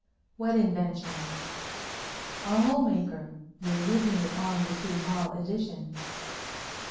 "What invention?" "Our hole maker. You're using it on the City Hall addition."